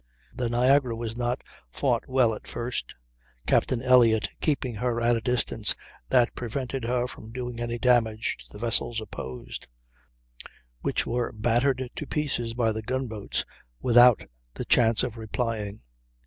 The Niagara was not fought well at first, Captain Elliott keeping her at a distance that prevented her from doing any damage to the vessels opposed, which were battered to pieces by the gun boats without the chance of replying.